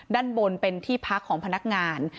ด้านบนเป็นที่พักของพนักงาน